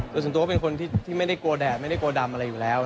โดยส่วนตัวก็เป็นคนที่ไม่ได้กลัวแดดไม่ได้กลัวดำอะไรอยู่แล้ว